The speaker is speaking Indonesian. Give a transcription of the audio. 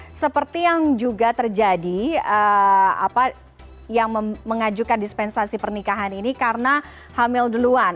ya seperti yang juga terjadi yang mengajukan dispensasi pernikahan ini karena hamil duluan